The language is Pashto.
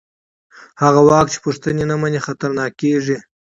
هغه واک چې پوښتنې نه مني خطرناک کېږي